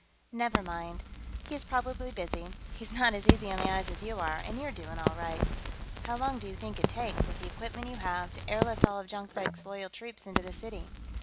"Never mind. He's probably busy, he's not as easy on the eyes as you are, and you're doing all right.... How long do you think it'd take, with the equipment you have, to airlift all of Jonkvank's loyal troops into the city?"